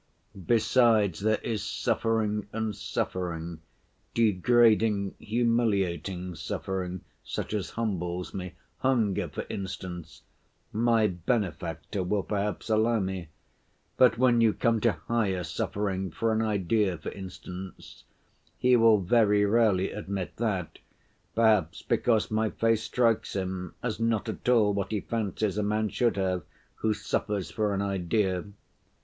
Besides, there is suffering and suffering; degrading, humiliating suffering such as humbles me—hunger, for instance—my benefactor will perhaps allow me; but when you come to higher suffering—for an idea, for instance—he will very rarely admit that, perhaps because my face strikes him as not at all what he fancies a man should have who suffers for an idea.